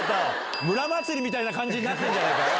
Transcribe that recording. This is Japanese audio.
村祭りみたいな感じになってるじゃんかよ。